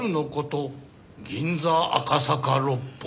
銀座赤坂六本木。